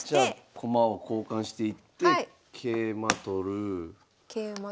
駒を交換していって桂馬取る。